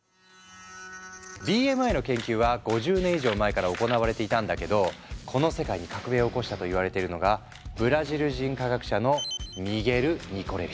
ＢＭＩの研究は５０年以上前から行われていたんだけどこの世界に革命を起こしたといわれているのがブラジル人科学者のミゲル・ニコレリス。